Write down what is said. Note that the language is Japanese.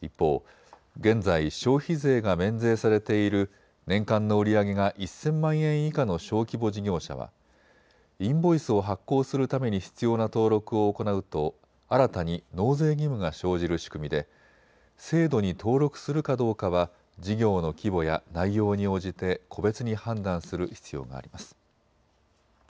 一方、現在、消費税が免税されている年間の売り上げが１０００万円以下の小規模事業者はインボイスを発行するために必要な登録を行うと新たに納税義務が生じる仕組みで制度に登録するかどうかは事業の規模や内容に応じて個別に判断する必要があります。